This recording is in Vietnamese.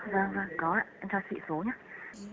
vâng có ạ em cho chị số nhé